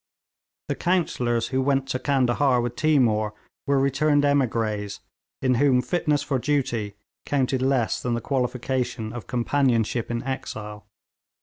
The counsellors who went to Candahar with Timour were returned émigrés, in whom fitness for duty counted less than the qualification of companionship in exile.